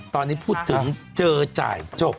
ตอนนี้พูดถึงเจอจ่ายจบ